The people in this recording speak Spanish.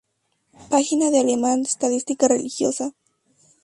Página en alemán de estadística religiosa